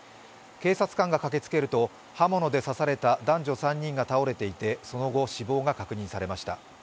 警察官が駆けつけると刃物で刺された男女３人が倒れていてその後、死亡が確認されました。